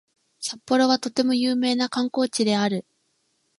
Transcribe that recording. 札幌はとても有名な観光地である